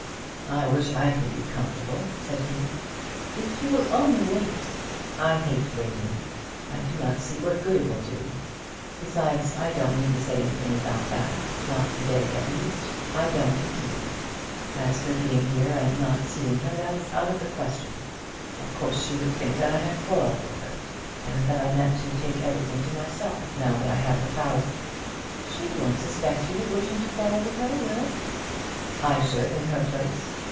"I wish I could be comfortable," said he. "If you will only wait " "I hate waiting. I do not see what good it will do. Besides, I don't mean to say anything about that, not to day, at least. I don't indeed. As for being here and not seeing her, that is out of the question. Of course she would think that I had quarrelled with her, and that I meant to take everything to myself, now that I have the power." "She won't suspect you of wishing to quarrel with her, Will." "I should in her place.